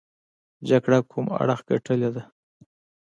جګړه کوم اړخ ګټلې ده.